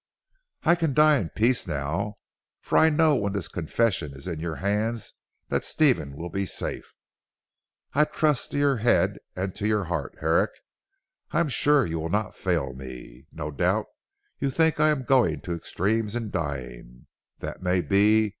"I can die in peace now, for I know when this confession is in your hands that Stephen will be safe. I trust to your head and to your heart, Herrick. I am sure you will not fail me. No doubt you think I am going to extremes in dying. That may be.